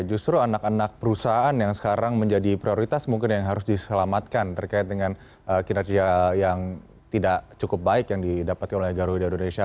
pak alvin ini bicara soal anak anak perusahaan yang sekarang menjadi prioritas mungkin yang harus diselamatkan terkait dengan kinerja yang tidak cukup baik yang didapatkan oleh garuda indonesia